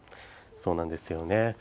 そうなんですよね。